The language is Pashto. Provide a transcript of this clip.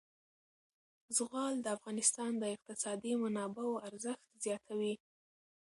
زغال د افغانستان د اقتصادي منابعو ارزښت زیاتوي.